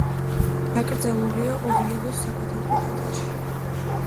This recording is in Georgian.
დაკრძალულია ოვიედოს საკათედრო ტაძარში.